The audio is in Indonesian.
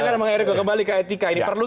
silahkan pak eriko kembali ke etika ini perlu